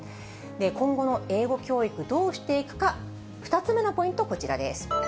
今後の英語教育、どうしていくか、２つ目のポイント、こちらです。